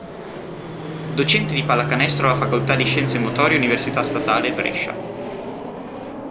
Docente di pallacanestro alla facoltà di Scienze Motorie Università Statale Brescia.